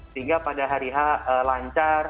sehingga pada hari h lancar